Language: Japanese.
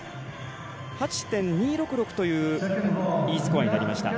８．２６６というＥスコアになりました。